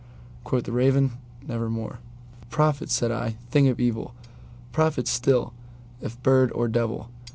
Quoth the Raven, "Nevermore.""Prophet!" said I, "thing of evil! prophet still, if bird or devil!